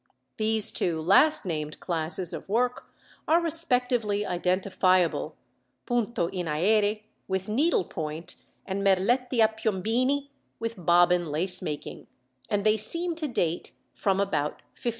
These two last named classes of work are respectively identifiable (punto in aere) with needlepoint and (merletti a piombini) with bobbin lace making; and they seem to date from about 1540.